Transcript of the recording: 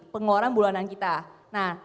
pengeluaran bulanan kita nah